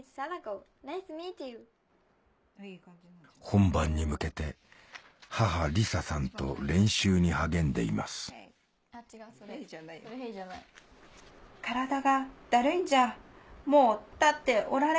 本番に向けて母理沙さんと練習に励んでいます禎子さんの感情このさ。